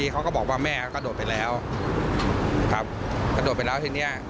เขาก็บอกว่าแม่กระโดดไปแล้วครับกระโดดไปแล้วทีเนี้ย